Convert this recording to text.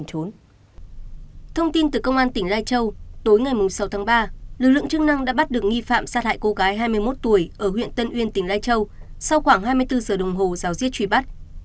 thông tin từ công an tỉnh lai châu tối ngày sáu tháng ba lực lượng chức năng đã bắt được nghi phạm sát hại cô gái hai mươi một tuổi ở huyện tân uyên tỉnh lai châu sau khoảng hai mươi bốn giờ đồng hồ giáo diết truy bắt